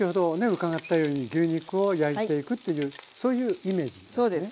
伺ったように牛肉を焼いていくというそういうイメージですね。